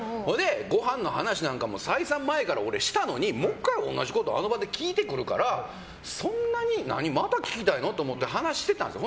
ごはんの話も再三、「前からしたのにもう１回、同じことをあの場で聞いてくるからまた聞きたいのと思って話してたんですよ。